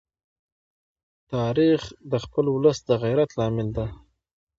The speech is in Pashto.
تاریخ د خپل ولس د غیرت لامل دی.